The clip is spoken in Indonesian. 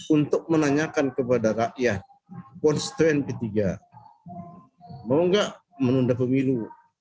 untuk menanyakan kepada rakyat konstituen p tiga mau nggak menunda pemilu